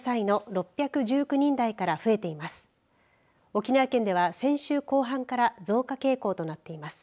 沖縄県では先週後半から増加傾向となっています。